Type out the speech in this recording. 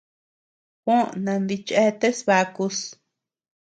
Juó nandicheateas bakus.